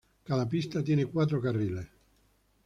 Cada pista tiene cuatro carriles.